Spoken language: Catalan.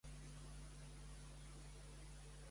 Mentrestant, en Vadó Set-trossos demanava ajut?